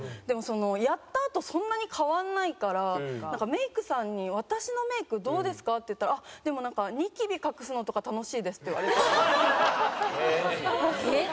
でもそのやったあとそんなに変わらないからメイクさんに「私のメイクどうですか？」って言ったら「でもなんかニキビ隠すのとか楽しいです」って言われて。